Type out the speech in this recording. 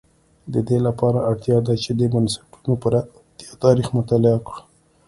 د دې لپاره اړتیا ده چې د بنسټونو پراختیا تاریخ مطالعه کړو.